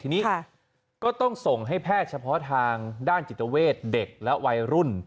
ทีนี้ก็ต้องส่งให้แพทย์เฉพาะทางด้านจิตเวทเด็กและวัยรุ่น